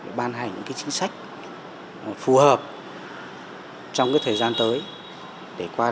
được tạo ra những điều kiện để tạo ra những điều kiện để tạo ra những điều kiện